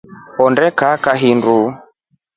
Honde kaa kahindu.